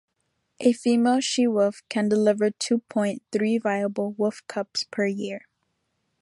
A female she-wolf can deliver two point three viable wolf cubs per year.